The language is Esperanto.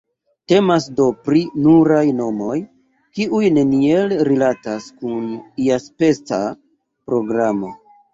Temas do pri nuraj nomoj, kiuj neniel rilatas kun iaspeca programo.